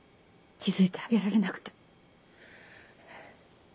気付いてあげられなくて。